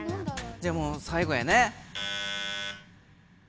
じゃもう最後やね。